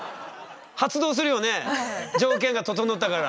発動するよね条件がととのったから。